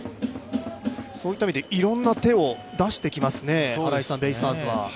そういった意味でいろんな手を出してきますね、ベイスターズは。